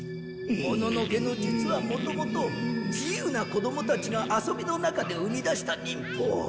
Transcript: もののけの術はもともと自由な子供たちの遊びの中で生み出した忍法。